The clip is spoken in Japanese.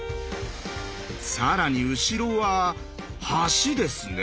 更に後ろは橋ですね。